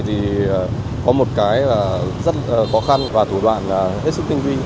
trên án này có một cái rất khó khăn và thủ đoạn hết sức tình huy